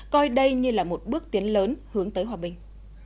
coi đây như là một bước tiến lớn hướng tới hòa bình